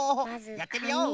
やってみよう。